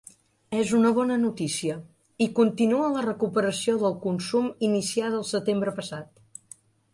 És una bona notícia, i continua la recuperació del consum iniciada el setembre passat.